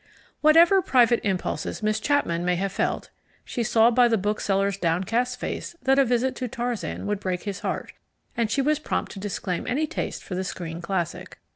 Whatever private impulses Miss Chapman may have felt, she saw by the bookseller's downcast face that a visit to Tarzan would break his heart, and she was prompt to disclaim any taste for the screen classic.